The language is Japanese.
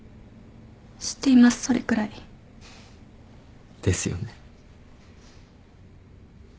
知っていますそれくらい。ですよね。